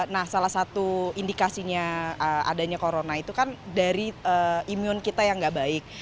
nah salah satu indikasinya adanya corona itu kan dari imun kita yang gak baik